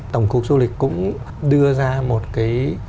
tổng cục du lịch cũng đưa ra một cái